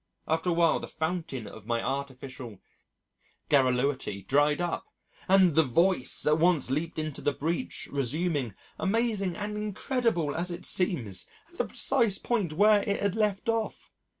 After a while the fountain of my artificial garrulity dried up, and the Voice at once leaped into the breach, resuming amazing and incredible as it seems at the precise point where it had left off.